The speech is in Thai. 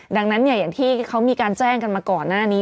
ดังนั้นอย่างที่เขามีการแจ้งกันมาก่อนหน้านี้